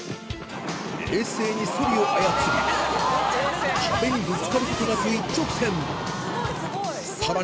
冷静にソリを操り壁にぶつかることなく一直線さらに